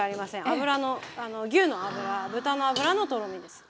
脂の牛の脂豚の脂のとろみです。